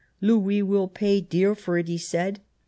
" Louis will pay dear for it," he said.